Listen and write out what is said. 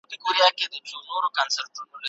له څېړنې سره مینه کولی سی نوې لارې پرانیزي.